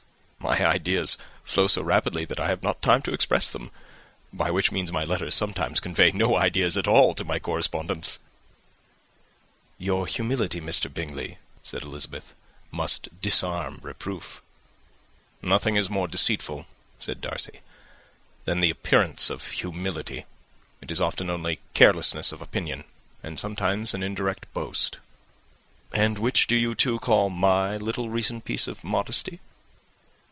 "My ideas flow so rapidly that I have not time to express them; by which means my letters sometimes convey no ideas at all to my correspondents." "Your humility, Mr. Bingley," said Elizabeth, "must disarm reproof." "Nothing is more deceitful," said Darcy, "than the appearance of humility. It is often only carelessness of opinion, and sometimes an indirect boast." "And which of the two do you call my little recent piece of modesty?"